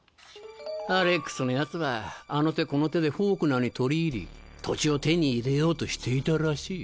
アレックスのヤツはあの手この手でフォークナーに取り入り土地を手に入れようとしていたらしい。